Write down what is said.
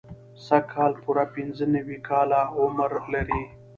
سږ کال پوره پنځه نوي کاله عمر لري.